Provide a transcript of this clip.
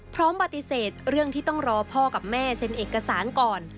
พร้อมปฏิเสธเรื่องที่ต้องรอพ่อกับแม่เซ็นเอกสารก่อน